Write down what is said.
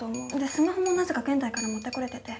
スマホもなぜか現代から持ってこれてて。